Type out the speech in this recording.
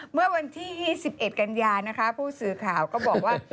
เมื่อวันที่๒๑กันยานะคะผู้สื่อข่าวก็บอกว่า